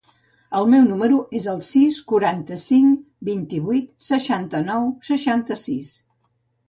El meu número es el sis, quaranta-cinc, vint-i-vuit, seixanta-nou, seixanta-sis.